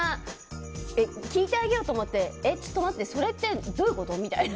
聞いてあげようと思ってそれってどういうこと？みたいな。